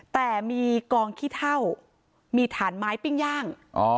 แต่มีกองขี้เท่ามีฐานไม้ปิ้งย่าง